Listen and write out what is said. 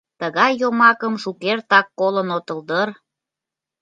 Тыгай йомакым шукертак колын отыл дыр?